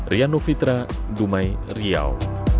riannu fitra dumai riau